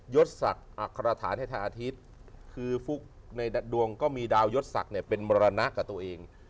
ศศักดิ์อักษรฐานให้ทางอาทิตย์คือฟุกในดวงก็มีดาวยดศักดิ์เนี่ยเป็นมรณะกับตัวเอง